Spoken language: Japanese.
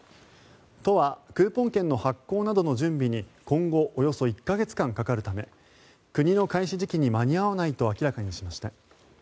都はクーポン券の発行などの準備に今後およそ１か月間かかるため国の開始時期に間に合わないと明らかにしました。